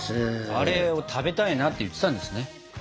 あれを食べたいなって言ってたんですね。